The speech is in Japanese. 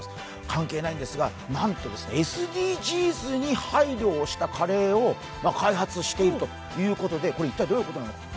関係ないんですがなんとＳＤＧｓに配慮したカレーを開発しているということでこれ一体どういうことなのか。